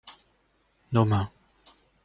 Nos mains.